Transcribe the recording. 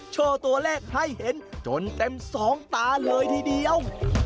โชว์ตัวเลขให้เห็นจนเต็มสองตาเลยทีเดียว